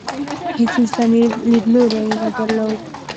هېڅ انساني لیدلوری یې نه درلود.